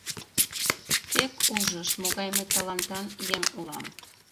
Тек ужышт могай мый талантан еҥ улам.